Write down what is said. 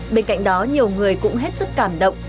bên cạnh đó nhiều người cũng hết sức cảm động